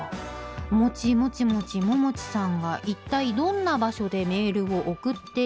おもちもちもちももちさんが一体どんな場所でメールを送っているのか？